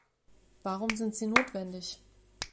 Warum sind sie notwendig?